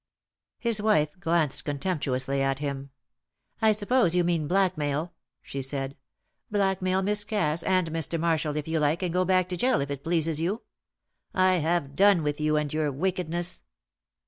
His wife glanced contemptuously at him. "I suppose you mean blackmail," she said. "Blackmail Miss Cass and Mr. Marshall, if you like, and go back to gaol if it pleases you. I have done with you and your wickedness."